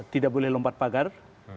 tidak boleh lompat pagar